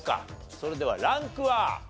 それではランクは？